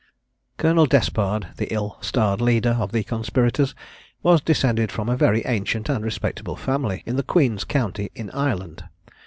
Colonel Despard, the ill starred leader of the conspirators, was descended from a very ancient and respectable family, in the Queen's County in Ireland.